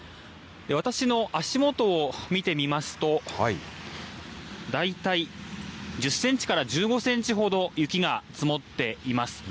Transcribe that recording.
私の足下を見てみますと、大体１０センチから１５センチほど、雪が積もっています。